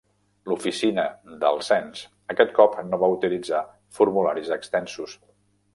L'Oficina del Cens aquest cop no va utilitzar formularis extensos.